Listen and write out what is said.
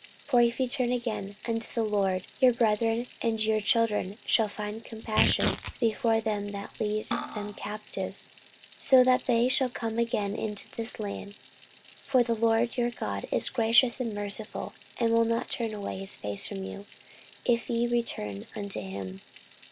14:030:009 For if ye turn again unto the LORD, your brethren and your children shall find compassion before them that lead them captive, so that they shall come again into this land: for the LORD your God is gracious and merciful, and will not turn away his face from you, if ye return unto him.